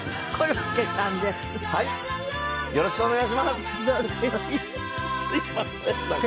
すいませんなんか。